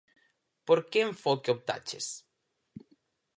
Por que enfoque optaches?